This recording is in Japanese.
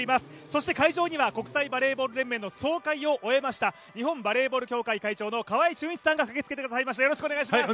そして会場には国際バレーボール連盟の総会を終えました日本バレーボール協会会長の川合俊一さんが駆けつけてくれました。